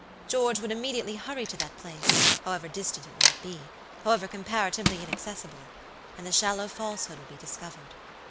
George would immediately hurry to that place, however distant it might be, however comparatively inaccessible, and the shallow falsehood would be discovered.